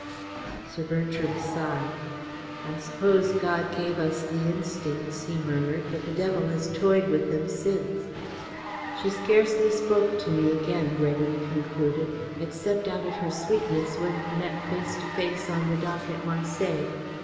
Sir Bertram sighed. "I suppose God gave us the instincts," he murmured, "but the devil has toyed with them since." "She scarcely spoke to me again," Gregory concluded, "except out of her sweetness when we met face to face on the dock at Marseilles.